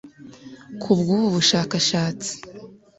Ku bw’ubu bushakashatsi